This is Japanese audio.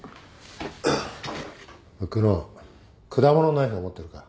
久能果物ナイフは持ってるか？